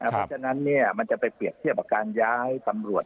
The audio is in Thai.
เพราะฉะนั้นมันจะไปเปรียบเทียบกับการย้ายตำรวจ